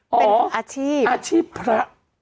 เป็นของอาชีพอาชีพพระ